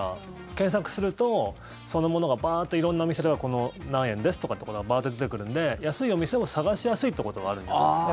検索すると、そのものがバーッと色んなお店では何円ですというのがバーッと出てくるので安いお店を探しやすいということはあるんじゃないですか。